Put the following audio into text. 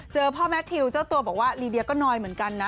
พ่อแมททิวเจ้าตัวบอกว่าลีเดียก็น้อยเหมือนกันนะ